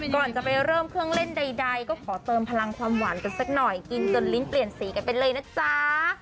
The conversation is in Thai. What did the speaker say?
ก่อนจะไปเริ่มเครื่องเล่นใดก็ขอเติมพลังความหวานกันสักหน่อยกินจนลิ้นเปลี่ยนสีกันไปเลยนะจ๊ะ